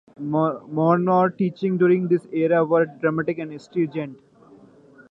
Mormon teachings during this era were dramatic and strident.